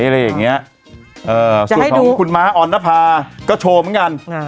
อะไรอย่างเงี้ยเอ่อจะให้ดูของคุณม้าอ่อนรภาก็โชว์เหมือนกันอ่า